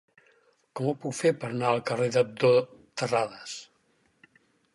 Com ho puc fer per anar al carrer d'Abdó Terradas?